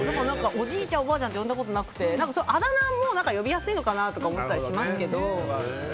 おじいちゃん、おばあちゃんって呼んだことなくてあだなが呼びやすいのかなって思ったりしますけど。